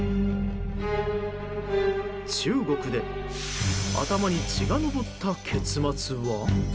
中国で頭に血が上った結末は。